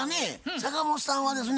坂本さんはですね